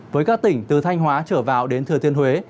với các tỉnh từ thanh hóa trở vào đến thừa thiên huế